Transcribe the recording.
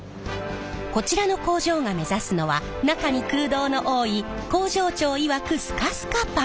こちらの工場が目指すのは中に空洞の多い工場長いわく